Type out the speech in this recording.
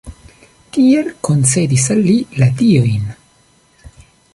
Tiel koncedis al li la diojn.